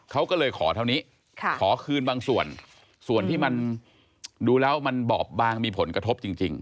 เขาก็เลยขอเท่านี้ขอคืนบางส่วนส่วนที่มันดูแล้วมันบอบบางมีผลกระทบจริง